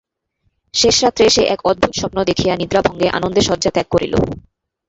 শেষ রাত্রে সে এক অদ্ভুত স্বপ্ন দেখিয়া নিদ্রাভঙ্গে আনন্দে শয্যা ত্যাগ করিল।